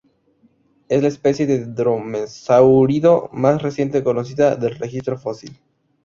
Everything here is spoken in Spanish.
Es la especie de dromeosáurido más reciente conocida del registro fósil.